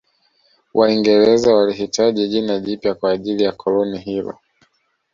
Waingereza walihitaji jina jipya kwa ajili ya koloni hilo